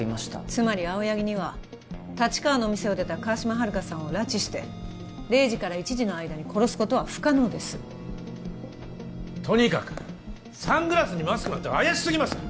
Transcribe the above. つまり青柳には立川の店を出た川島春香さんを拉致して０時から１時の間に殺すことは不可能ですとにかくサングラスにマスクなんて怪しすぎます！